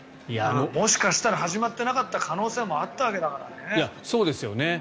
もしかしたら始まってなかった可能性もあったわけだからね。